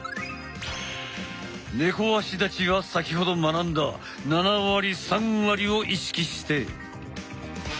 猫足立ちは先ほど学んだ７割３割を意識して！